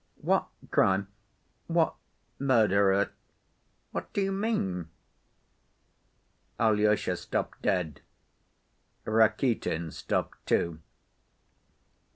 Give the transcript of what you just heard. "What crime? What murderer? What do you mean?" Alyosha stopped dead. Rakitin stopped, too.